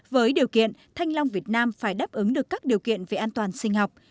với điều kiện thanh long việt nam phải đáp ứng được các điều kiện về an toàn sinh học